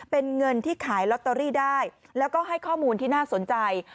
เป็นเงินที่ขายลอตเตอรี่ได้แล้วก็ให้ข้อมูลที่น่าสนใจ